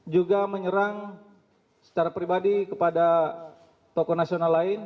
juga menyerang secara pribadi kepada tokoh nasional lain